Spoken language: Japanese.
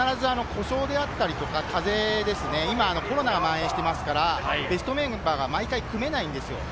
必ず故障であったり、風邪、今コロナが蔓延していますから、ベストメンバーが毎回組めないんですよ。